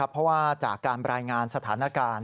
เพราะว่าจากการรายงานสถานการณ์